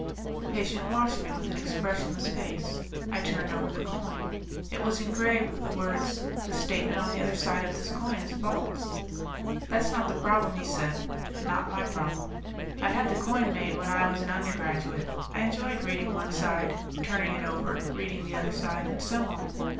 The patient watched me with an expressionless face; I turned over the coin. It was engraved with the words: THE STATEMENT ON THE OTHER SIDE OF THIS COIN IS FALSE. "That's not the problem," he said, "not my problem. I had the coin made when I was an undergraduate. I enjoyed reading one side, turning it over, reading the other side, and so on.